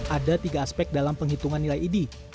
ada tiga aspek dalam penghitungan nilai idi